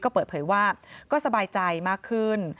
ก็เปิดเผยว่าก็สบายใจมากขึ้น